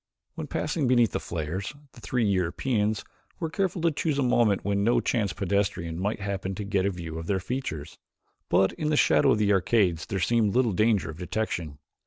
When passing beneath the flares the three Europeans were careful to choose a moment when no chance pedestrian might happen to get a view of their features, but in the shadow of the arcades there seemed little danger of detection.